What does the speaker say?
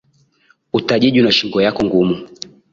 Utajijua na shingo yako ngumu